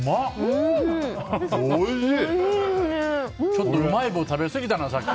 ちょっとうまい棒食べ過ぎたなさっき。